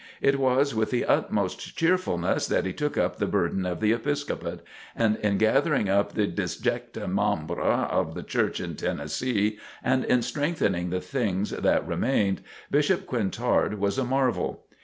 It was with the utmost cheerfulness that he took up the burdens of the Episcopate, and in gathering up the disjecta membra of the Church in Tennessee and in strengthening the things that remained, Bishop Quintard was a marvel.